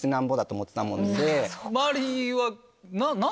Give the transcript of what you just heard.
周りは。